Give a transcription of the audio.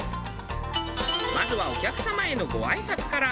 まずはお客様へのご挨拶から。